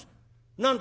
「何だ？」。